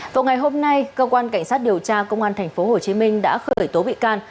vào ngày hôm nay cơ quan cảnh sát điều tra công an tp hcm đã khởi tố bị can